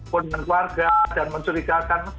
pemenang keluarga dan mencurigakan